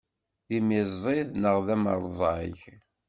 D imiziḍ neɣ d amerẓag?